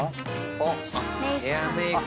あっヘアメイク。